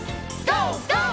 ＧＯ！